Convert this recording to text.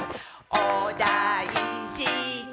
おだいじに。